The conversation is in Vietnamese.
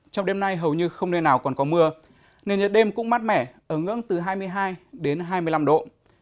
trong đêm nay hầu như không nơi nào còn có mưa nên nhiệt đêm cũng mát mẻ ở ngưỡng từ hai mươi hai đến hai mươi năm độ